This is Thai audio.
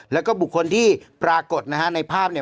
แล้วก็บุคคลที่ปรากฏนะฮะในภาพเนี่ย